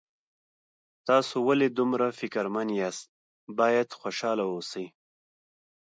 تاسو ولې دومره فکرمن یاست باید خوشحاله اوسئ